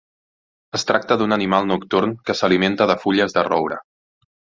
Es tracta d'un animal nocturn que s'alimenta de fulles de roure.